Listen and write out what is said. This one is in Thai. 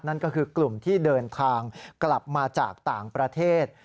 นั่นก็คือกลุ่มที่เดินทางกลับมาจากต่างประเทศ